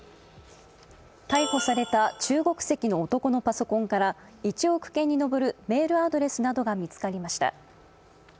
逮捕された中国籍の男のパソコンから１億件に上るメールアドレスなどが見つかりました。